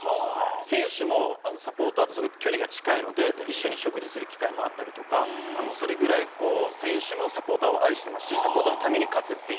選手もサポーターとすごい距離が近いので一緒に食事する機会もあったりとかそれぐらい選手もサポーターを愛してますしサポーターのために勝つという。